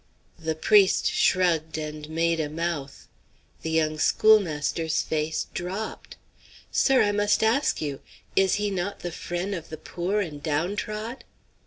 The priest shrugged and made a mouth. The young schoolmaster's face dropped. "Sir, I must ask you is he not the frien' of the poor and downtrod?"